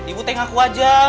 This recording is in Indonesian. ibu rete ngaku aja